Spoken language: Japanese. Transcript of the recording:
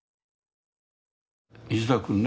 西田君ね